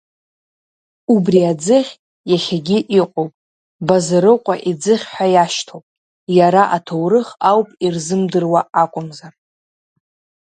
Убри аӡыхь иахьагьы иҟоуп, Базарыҟәа Иӡыхь ҳәа иашьҭоуп, иара аҭоурых ауп ирзымдыруа акәымзар.